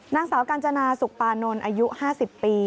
นางสาวกาญจนาสุกปานนท์อายุ๕๐ปี